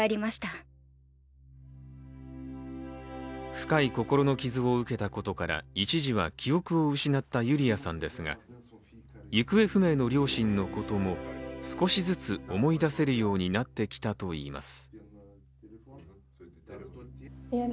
深い心の傷を受けたことから一時は記憶を失ったユリアさんですが行方不明の両親のことも少しずつ思い出せるようになってきたといいます。